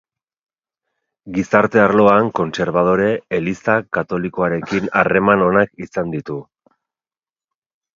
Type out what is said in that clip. Gizarte arloan kontserbadore, Eliza Katolikoarekin harreman onak izan ditu.